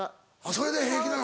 それで平気なの。